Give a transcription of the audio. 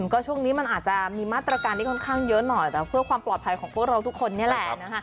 ก็ช่วงนี้มันอาจจะมีมาตรการที่ค่อนข้างเยอะหน่อยแต่เพื่อความปลอดภัยของพวกเราทุกคนนี่แหละ